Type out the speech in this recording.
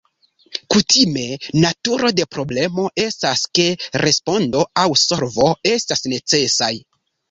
Kutime, naturo de problemo estas ke respondo aŭ solvo estas necesaj.